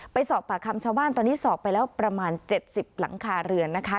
ไปสอบปากคำชาวบ้านตอนนี้สอบไปแล้วประมาณ๗๐หลังคาเรือนนะคะ